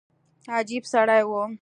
عجب سړى و.